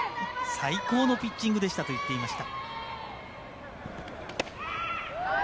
最高のピッチングだったと言っていました。